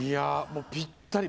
もうぴったり。